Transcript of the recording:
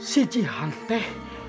si jihan teh